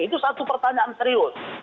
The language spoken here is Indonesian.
itu satu pertanyaan serius